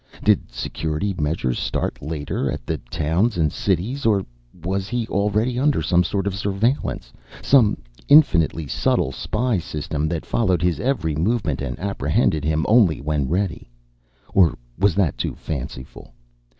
Did security measures start later at the towns and cities? Or was he already under some sort of surveillance, some infinitely subtle spy system that followed his every movement and apprehended him only when ready? Or was that too fanciful?